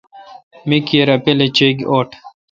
می کیر اؘ پیالہ چیں اوٹ۔